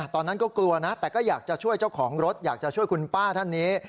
ตอนนั้นก็กลัวนะแต่ก็อยากจะช่วยเจ้าของรถอยากจะช่วยคุณป้าท่านนี้